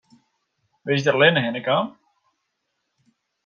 Bist hjir allinne hinne kommen?